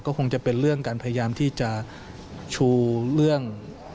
ก็คงจะเป็นเรื่องการพยายามที่จะชูเรื่อง